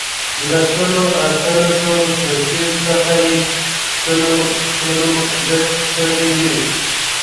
له سلو اتلسو څوکیو څخه یې سلو شلو ګټلې وې.